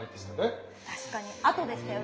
確かに後でしたよね。